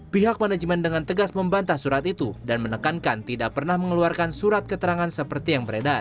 pihak manajemen dengan tegas membantah surat itu dan menekankan tidak pernah mengeluarkan surat keterangan seperti yang beredar